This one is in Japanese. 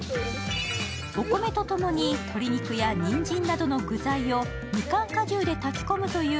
お米とともに鶏肉やにんじんなどの具材をみかん果汁で煮込むという